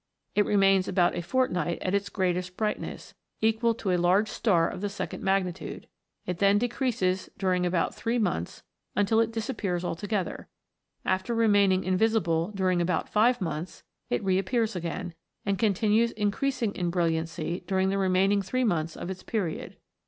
It remains about a fortnight at its great est brightness, equal to a large star of the second magnitude; it then decreases during about three months until it disappears altogether; after remain ing invisible during about five months, it reappears again, and continues increasing in brilliancy during the remaining three months of its period.